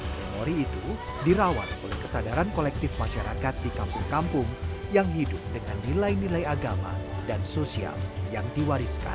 memori itu dirawat oleh kesadaran kolektif masyarakat di kampung kampung yang hidup dengan nilai nilai agama dan sosial yang diwariskan